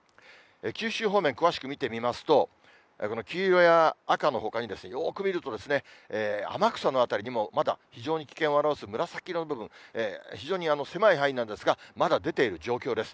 九州方面、詳しく見てみますと、この黄色や赤のほかに、よーく見ると、天草の辺りにもまだ非常に危険を表す紫色の部分、非常に狭い範囲なんですが、まだ出ている状況です。